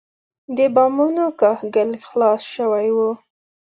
د بامونو کاهګل خلاص شوی و.